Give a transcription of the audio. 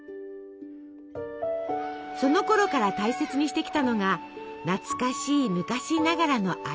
そのころから大切にしてきたのが「懐かしい昔ながらの味」。